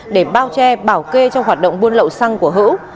để bao che bảo kê trong hoạt động buôn lậu xăng của hữu